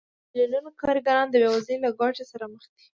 په میلیونونو کارګران د بېوزلۍ له ګواښ سره مخ دي